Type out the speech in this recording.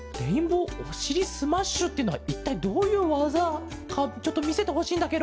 スマッシュっていうのはいったいどういうわざかちょっとみせてほしいんだケロ。